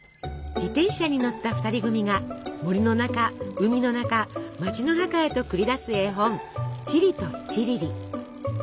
自転車に乗った２人組が森の中海の中町の中へと繰り出す絵本「チリとチリリ」。